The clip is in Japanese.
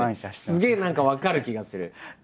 すげえ何か分かる気がする。